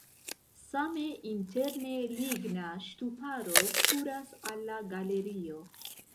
Same interne ligna ŝtuparo kuras al la galerio.